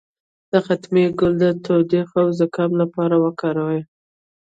د ختمي ګل د ټوخي او زکام لپاره وکاروئ